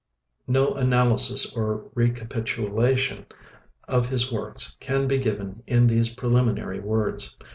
No analysis or recapitulation of his works can be given in these preliminary words.